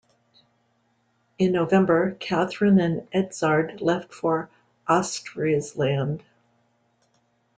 In November, Catherine and Edzard left for Ostfriesland.